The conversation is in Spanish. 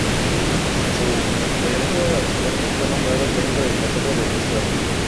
A su regreso a España fue nombrado miembro del Consejo de Estado.